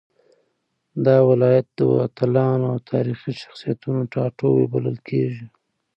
دا ولايت د اتلانو او تاريخي شخصيتونو ټاټوبی بلل کېږي.